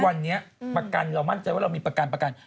บางทีทุกวันนี้ประกันเรามั่นใจว่าเรามีประกัน